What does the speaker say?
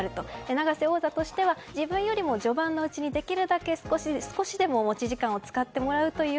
永瀬王座としては自分よりも序盤のうちにできるだけ少しでも持ち時間を使ってもらうという